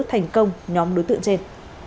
thành công nhóm đối tượng trên